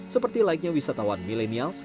seperti like nya wisatawan milenial